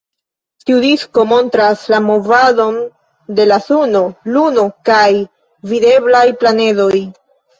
Tiu disko montras la movadon de la suno, luno kaj videblaj planedoj.